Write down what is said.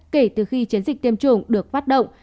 kể từ khi chiến dịch tiêm chủng được phát động